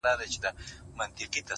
د صوفي په نظر هر څه اصلیت وو!!